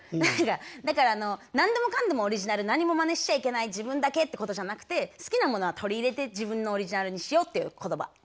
だから何でもかんでもオリジナル何もまねしちゃいけない自分だけってことじゃなくて好きなものは取り入れて自分のオリジナルにしようっていう言葉。